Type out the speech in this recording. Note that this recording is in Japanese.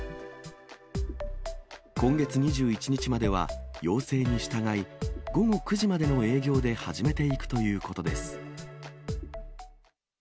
今月２１日までは要請に従い、午後９時までの営業で始めていくということです。